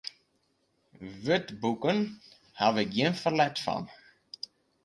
Wurdboeken haw ik gjin ferlet fan.